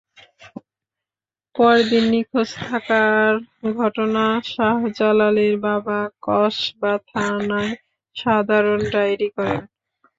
পরদিন নিখোঁজ থাকার ঘটনায় শাহজালালের বাবা কসবা থানায় সাধারণ ডায়েরি করেন।